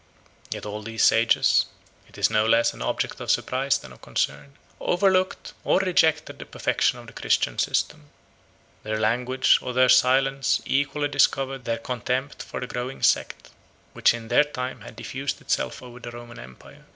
Yet all these sages (it is no less an object of surprise than of concern) overlooked or rejected the perfection of the Christian system. Their language or their silence equally discover their contempt for the growing sect, which in their time had diffused itself over the Roman empire.